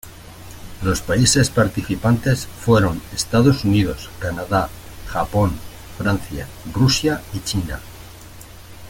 Los países participantes fueron Estados Unidos, Canadá, Japón, Francia, Rusia y China.